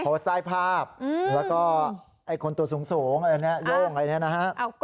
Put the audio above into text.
โพสต์ไซด์ภาพแล้วก็ไอ้คนตัวสูงอย่างนี้โล่งอย่างนี้นะ